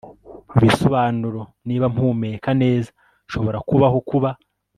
ibisobanuro niba mpumeka neza nshobora kubaho kuba